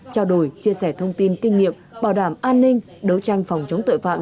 trao đổi chia sẻ thông tin kinh nghiệm bảo đảm an ninh đấu tranh phòng chống tội phạm